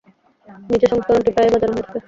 নিচে সংস্করণটি প্রায়ই বাজানো হয়ে থাকে।